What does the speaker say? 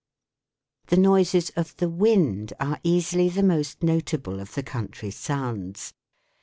The noises of the wind are easily the most notable of the country sounds.